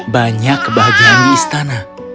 banyak kebahagiaan di istana